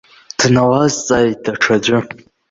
Дналазҵааит даҽаӡәы.